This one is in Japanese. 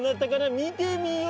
見てみよう。